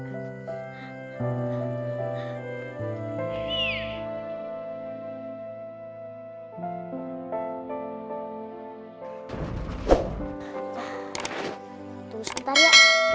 tunggu sebentar ya